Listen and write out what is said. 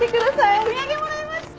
お土産もらいました。